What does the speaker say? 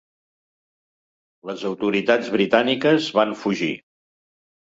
Les autoritats britàniques van fugir.